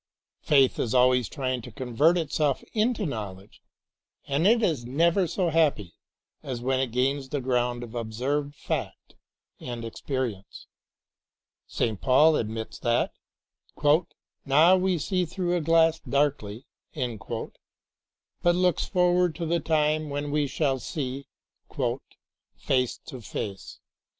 Faith is always trying to convert itself into knowledge and it is never so happy as when it gains the ground of ob served fact and experience. St. Paul admits that "Now w^e see through a glass, darkly," but looks forward to the time when we shall see *'face to face."